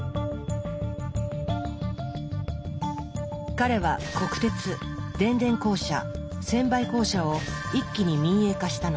彼は国鉄電電公社専売公社を一気に民営化したのです。